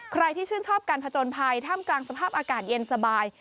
ใครที่ชื่นชอบการผจญภัยท่ามกลางสภาพอากาศเย็นสบาย